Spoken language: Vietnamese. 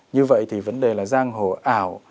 như vậy thì vấn đề là giang hồ ảo